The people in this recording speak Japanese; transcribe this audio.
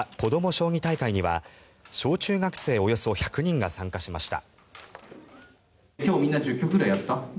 将棋大会には小中学生およそ１００人が参加しました。